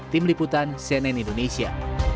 tim liputan cnn indonesia